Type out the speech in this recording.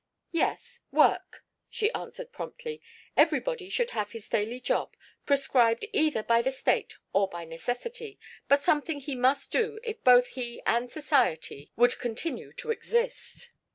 "Yes, work," she answered promptly. "Everybody should have his daily job, prescribed either by the state or by necessity; but something he must do if both he and society would continue to exist."